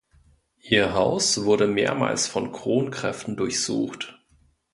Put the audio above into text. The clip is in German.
Ihr Haus wurde mehrmals von Kronkräften durchsucht.